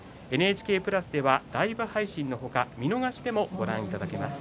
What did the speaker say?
ＮＨＫプラスではライブ配信の他見逃しでも、ご覧いただけます。